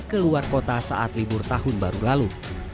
ke luar kota saat libur tahun baru lalu